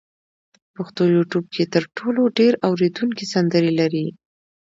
پښتو یوټیوب کې تر ټولو ډېر اورېدونکي سندرې لري.